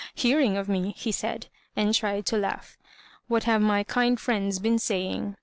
^'Hearing of me,'* he said, and tried to laugh ; "what have my kind friends been saying?"